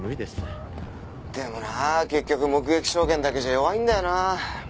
でもなあ結局目撃証言だけじゃ弱いんだよな。